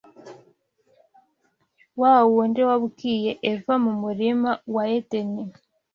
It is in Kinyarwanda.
wa wundi wabwiye Eva mu murima wa Edeni,